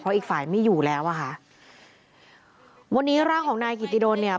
อีกฝ่ายไม่อยู่แล้วอ่ะค่ะวันนี้ร่างของนายกิติดนเนี่ย